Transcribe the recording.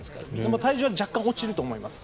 体重はここから若干落ちると思います。